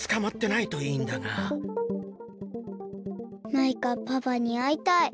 マイカパパにあいたい。